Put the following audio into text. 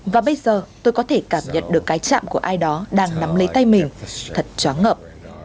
và bây giờ tôi có thể cảm nhận được cái chạm của ai đó đang nắm lấy tay mình thật chóng ngợp